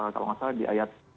kalau nggak salah di ayat